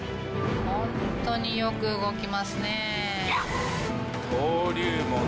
ホントによく動きますね。